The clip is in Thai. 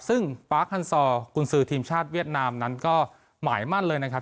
ซึ่งปาร์คฮันซอร์กุญสือทีมชาติเวียดนามนั้นก็หมายมั่นเลยนะครับ